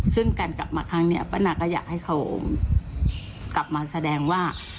ซึ่งการกลับมาครั้งนี้ป้านาก็อยากให้เขากลับมาแสดงว่า